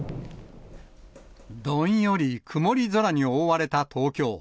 どんより曇り空に覆われた東京。